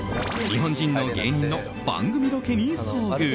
日本人の芸人の番組ロケに遭遇。